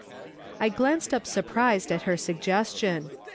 I glanced up surprised at her suggestion.